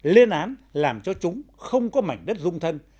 lên án làm cho chúng không có mảnh đất rung thân